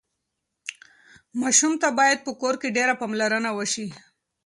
ماشوم ته باید په کور کې ډېره پاملرنه وشي.